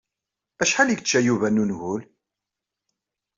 Acḥal i yečča Yuba n ungul?